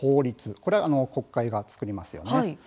これは国会が作りますよね。